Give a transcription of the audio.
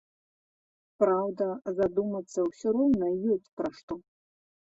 Праўда, задумацца ўсё роўна ёсць пра што.